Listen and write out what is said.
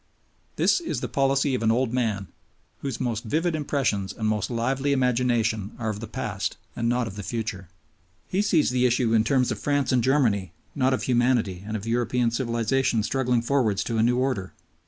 This is the policy of an old man, whose most vivid impressions and most lively imagination are of the past and not of the future. He sees the issue in terms, of France and Germany not of humanity and of European civilization struggling forwards to a new order.